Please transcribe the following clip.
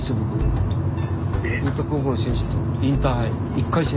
１回戦。